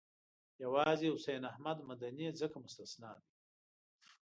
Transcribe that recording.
یوازې حسین احمد مدني ځکه مستثنی دی.